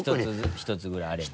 １つぐらいあれば。